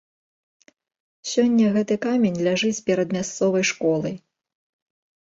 Сёння гэты камень ляжыць перад мясцовай школай.